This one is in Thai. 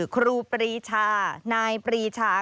ครูปรีชานายปรีชา